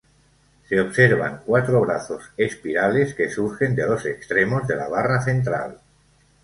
Se observan cuatro brazos espirales que surgen de los extremos de la barra central.